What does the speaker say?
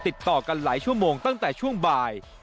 ติดต่อกันหลายชั่วโมงตั้งแต่ช่วงบ่าย